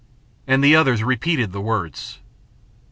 And the others repeated the words.